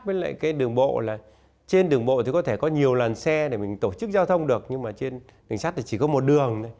với lại cái đường bộ là trên đường bộ thì có thể có nhiều lần xe để mình tổ chức giao thông được nhưng mà trên đường sắt thì chỉ có một đường